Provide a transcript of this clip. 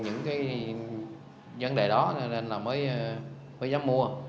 những vấn đề đó nên là mới dám mua